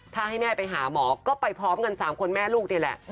ถ้าให้แม่ไปหาหมอก็ไปพร้อมกัน๓คนแม่ลูกนี่แหละ